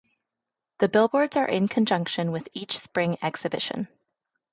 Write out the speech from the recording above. The billboards are in conjunction with each spring exhibition.